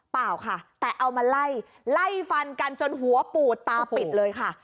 เปล่าค่ะแต่เอามาไล่ไล่ฟันกันจนหัวปูดตาปิดเลยค่ะ